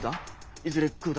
いずれ食うだ。